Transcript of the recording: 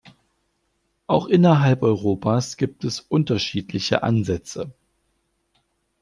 Auch innerhalb Europas gibt es unterschiedliche Ansätze.